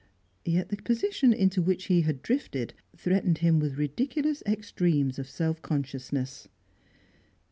Yet the position into which he had drifted threatened him with ridiculous extremes of self consciousness.